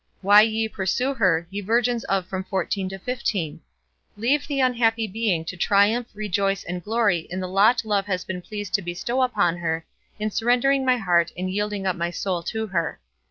Why ye pursue her, ye virgins of from fourteen to fifteen? Leave the unhappy being to triumph, rejoice and glory in the lot love has been pleased to bestow upon her in surrendering my heart and yielding up my soul to her.